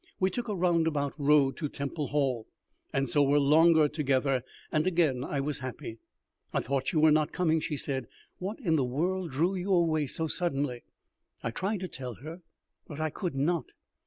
We took a roundabout road to Temple Hall, and so were longer together, and again I was happy. "I thought you were not coming," she said. "What in the world drew you away so suddenly?" I tried to tell her, but I could not.